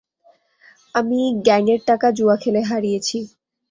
আমি গ্যাং এর টাকা জুয়া খেলে হারিয়েছি।